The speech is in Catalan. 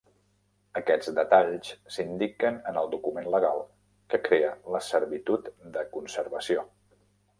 Aquests detalls s'indiquen en el document legal que crea la servitud de conservació.